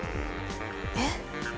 えっ？